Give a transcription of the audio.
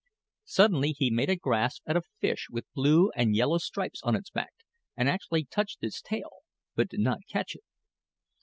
Suddenly he made a grasp at a fish with blue and yellow stripes on its back, and actually touched its tail, but did not catch it.